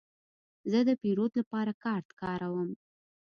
زه د پیرود لپاره کارت کاروم.